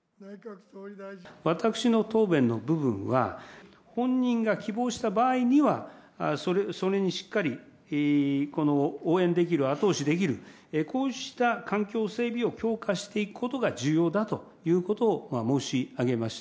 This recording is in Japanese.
私の答弁の部分は、本人が希望した場合には、それにしっかりこの応援できる、後押しできる、こうした環境整備を強化していくことが重要だということを申し上げました。